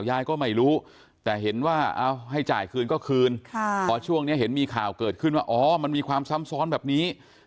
ยายก็ไม่รู้แต่เห็นว่าเอาให้จ่ายคืนก็คืนพอช่วงนี้เห็นมีข่าวเกิดขึ้นว่าอ๋อมันมีความซ้ำซ้อนแบบนี้